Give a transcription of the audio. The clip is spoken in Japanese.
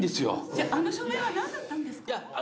じゃああの署名は何だったんですか？